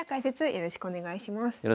よろしくお願いします。